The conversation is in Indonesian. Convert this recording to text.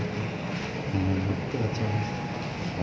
untuk keluarganya saya tidak mau nge team sebesar besarnya